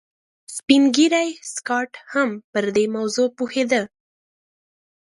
سپین ږیری سکاټ هم پر دې موضوع پوهېده